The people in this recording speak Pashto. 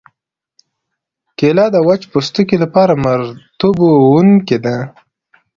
کېله د وچ پوستکي لپاره مرطوبوونکې ده.